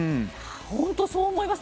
本当にそう思います。